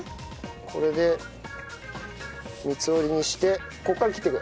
これで三つ折りにしてここから切っていく。